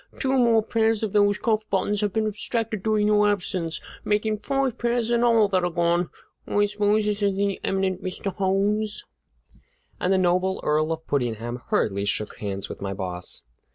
Two more pairs of those cuff buttons have been abstracted during your absence, making five pairs in all that are gone! I suppose this is the eminent Mr. Holmes?" And the noble Earl of Puddingham hurriedly shook hands with my boss.